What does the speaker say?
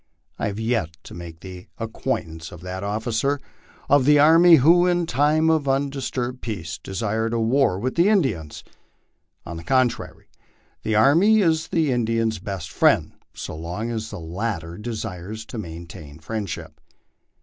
I have yet to make the acquaintance of that officer of the army who, in time of undisturbed peace, desired a war with the Indians. On the contrary, the army is the Indian's best friend, so long as the latter de sires to maintain friendship.